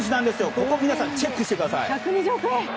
ここをチェックしてください。